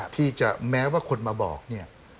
ที่จะแม้ว่าคนมาบอกเนี่ย